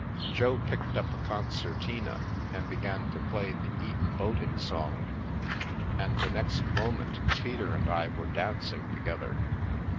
Jo picked up a concertina and began to play the Eton Boating Song) and the next mo ment Peter and I were dancing together.